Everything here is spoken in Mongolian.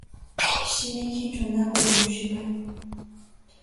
Машиныг хэн ч унаагүй юм шиг байна.